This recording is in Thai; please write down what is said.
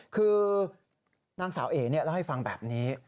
คือนางสาวเอ๋เล่าให้ฟังแบบนี้